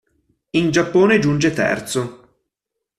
In Giappone giunge terzo.